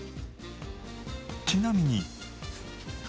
ちなみに。